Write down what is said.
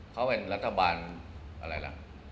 เขาเป็นรัฐบาลอะไรล่ะ